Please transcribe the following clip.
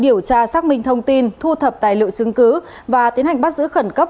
điều tra xác minh thông tin thu thập tài liệu chứng cứ và tiến hành bắt giữ khẩn cấp